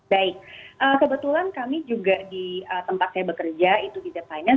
baik kebetulan kami juga di tempat saya bekerja itu di z finance